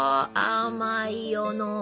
あまいよの。